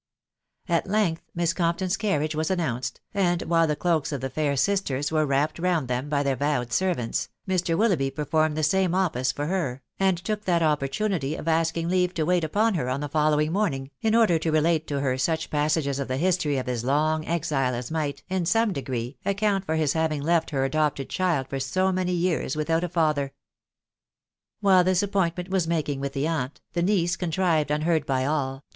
At length Miss Compton's carriage was announced; and while the cloaks of the fair sisters were wrapped round them by their vowed servants, Mr. Willoughby performed the same office for her, and took that opportunity of asking leave to wait upon her on the following morning, in order to relate to her such passages of the history of his long exile as might, in some degree, account for his having left her adopted child for so many years without a father. While this appointment was making with the aunt, the niece contrived, unheard by all, to